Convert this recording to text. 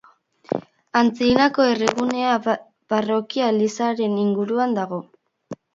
Antzinako herrigunea parrokia-elizaren inguruan dago.